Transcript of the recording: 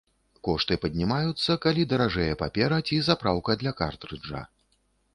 Кошты паднімаюцца, калі даражэе папера ці запраўка для картрыджа.